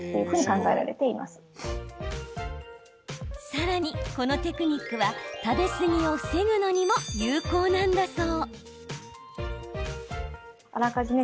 さらに、このテクニックは食べ過ぎを防ぐのにも有効なんだそう。